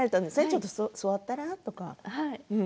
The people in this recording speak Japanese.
ちょっと座ったら？とか。